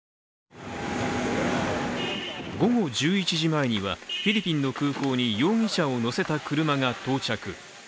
午後１１時前には、フィリピンの空港に容疑者を乗せた車が到着。